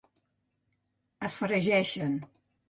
Es fregeixen.